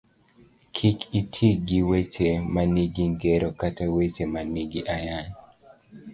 Kik iti gi weche manigi ngero kata weche manigi ayany.